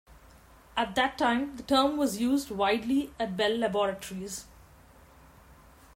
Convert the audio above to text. At that time, the term was used widely at Bell Laboratories.